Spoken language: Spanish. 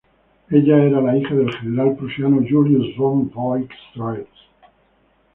Ella era la hija del general prusiano Julius von Voigts-Rhetz.